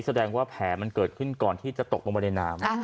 แสดงว่าแผลมันเกิดขึ้นก่อนที่จะตกลงไปในน้ำ